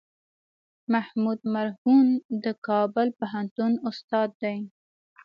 محمود مرهون د کابل پوهنتون استاد دی.